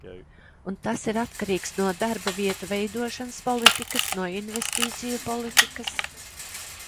Un tas ir atkarīgs no darba vietu veidošanas politikas, no investīciju politikas.